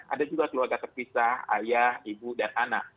ada juga keluarga terpisah ayah ibu dan anak